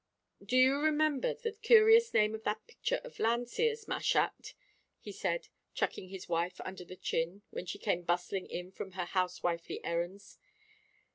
"Do you remember the curious name of that picture of Landseer's, ma chatte?" he said, chucking his wife under the chin when she came bustling in from her housewifely errands.